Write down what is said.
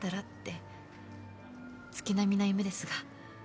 月並みな夢ですが。